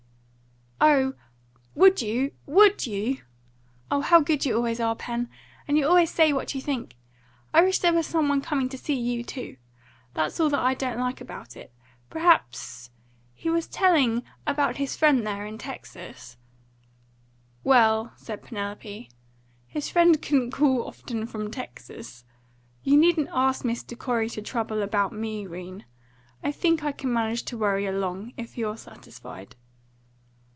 "Oh, would you WOULD you? Oh, how good you always are, Pen! And you always say what you think. I wish there was some one coming to see you too. That's all that I don't like about it. Perhaps He was telling about his friend there in Texas " "Well," said Penelope, "his friend couldn't call often from Texas. You needn't ask Mr. Corey to trouble about me, 'Rene. I think I can manage to worry along, if you're satisfied."